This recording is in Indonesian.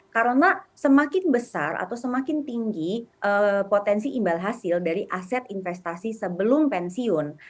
karena semakin besar atau semakin tinggi potensi imbal hasil dari aset investasi sebelum pensiun